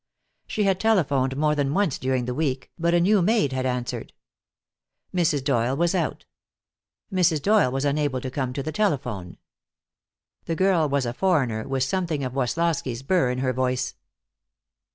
She had telephoned more than once during the week, but a new maid had answered. Mrs. Doyle was out. Mrs. Doyle was unable to come to the telephone. The girl was a foreigner, with something of Woslosky's burr in her voice.